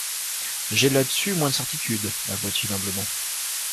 J'ai là-dessus moins de certitudes, avoua-t-il humblement.